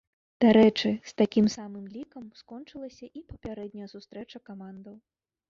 Дарэчы, з такім самым лікам скончылася і папярэдняя сустрэча камандаў.